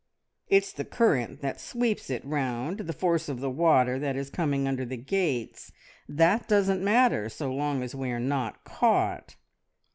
"It's the current that sweeps it round, the force of the water that is coming in under the gates. That doesn't matter so long as we are not caught."